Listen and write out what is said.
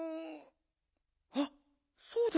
あっそうだ。